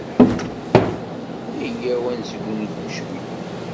Iyyaw ad nesgunfu cwiya.